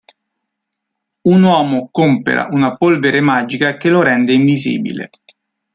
Un uomo compera una polvere magica che lo rende invisibile.